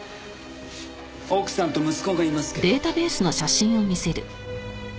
奥さんと息子がいますけど。